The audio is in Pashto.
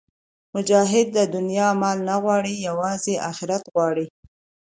مجاهد د دنیا مال نه غواړي، یوازې آخرت غواړي.